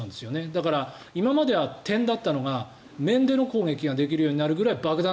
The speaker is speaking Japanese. だから、今までは点だったのが面での攻撃ができるようになるぐらい爆弾